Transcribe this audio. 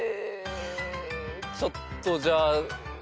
ちょっとじゃあ１５０